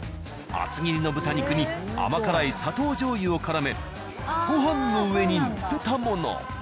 厚切りの豚肉に甘辛い砂糖じょうゆをからめご飯の上に載せたもの。